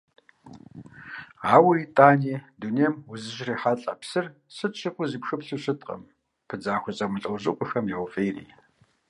Ауэ итӀани дунейм узыщрихьэлӀэ псыр сыт щыгъуи узыпхыплъу щыткъым, пыдзахуэ зэмылӀэужьыгъуэхэм яуфӀейри.